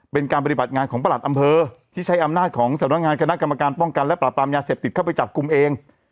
เป็นการปฏิบัติงานของประหลัดอำเภอที่ใช้อำนาจของสำนักงานคณะกรรมการป้องกันและปรับปรามยาเสพติดเข้าไปจับกลุ่มเอง